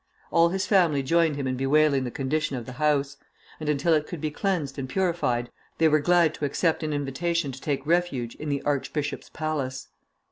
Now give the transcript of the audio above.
All his family joined him in bewailing the condition of the house; and until it could be cleansed and purified they were glad to accept an invitation to take refuge in the archbishop's palace.